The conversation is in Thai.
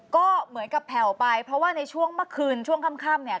ก็เหมือนกับแผ่วไปเพราะว่าในช่วงเมื่อคืนช่วงค่ำเนี่ย